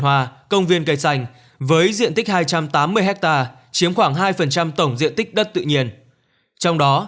hòa công viên cây xanh với diện tích hai trăm tám mươi hectare chiếm khoảng hai tổng diện tích đất tự nhiên trong đó